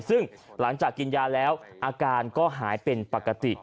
ซึ่งหลังจากกินยาแล้วอาการก็หายเป็นปกติ